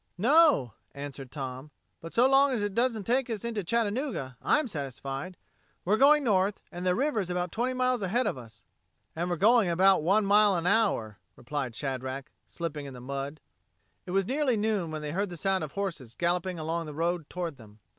"No," answered Tom, "but so long as it doesn't take us into Chattanooga, I'm satisfied. We're going north and the river is about twenty miles ahead of us." "And we're going about one mile an hour," replied Shadrack, slipping in the mud. It was nearly noon when they heard the sound of horses galloping along the road toward them.